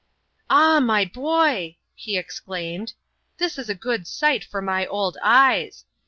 "Ah, my boy!" he exclaimed, "this is a good sight for my old eyes.